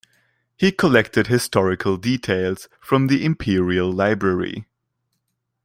He collected historical details from the Imperial library.